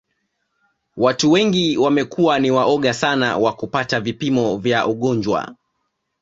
Watu wengi wamekuwa ni waoga sana wa kupata vipimo vya ugonjwa